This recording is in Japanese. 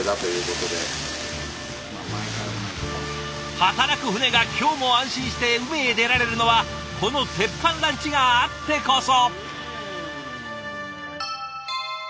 働く船が今日も安心して海へ出られるのはこの鉄板ランチがあってこそ。